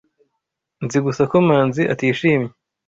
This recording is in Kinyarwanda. Nzi gusa ko Manzi atishimye.